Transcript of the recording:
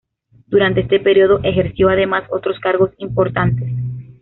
Durante este periodo ejerció, además, otros cargos importantes.